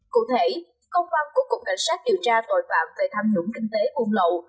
cụ thể công văn của cục cảnh sát điều tra tội phạm về tham nhũng kinh tế buôn lậu